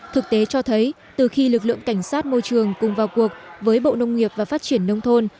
thực tế cho thấy từ khi lực lượng cảnh sát môi trường cùng vào cuộc với bộ nông nghiệp và phát triển nông thôn